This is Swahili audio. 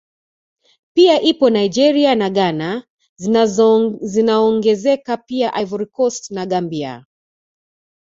Pia ipo Nigeria na Ghana zinaongezeka pia Ivory Cost na Gambia